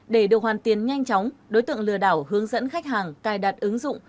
để được hoàn tiền nhanh chóng đối tượng lừa đảo hướng dẫn khách hàng cài đặt ứng dụng